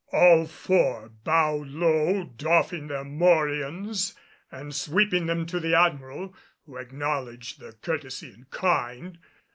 All four bowed low, doffing their morions and sweeping them to the Admiral, who acknowledged the courtesy in kind.